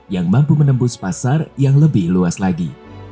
yang mampu menembus pasar yang lebih luas lagi